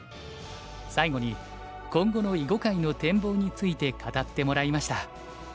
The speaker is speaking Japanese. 最後に今後の囲碁界の展望について語ってもらいました。